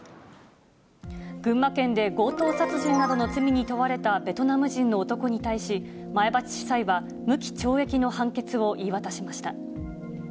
群馬県で強盗殺人などの罪に問われたベトナム人の男に対し、前橋地裁は、無期懲役の判決を言い渡しました。